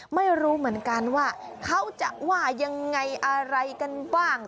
ไม่รู้เหมือนกันว่าเขาจะว่ายังไงอะไรกันบ้าง